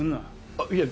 あっいえ。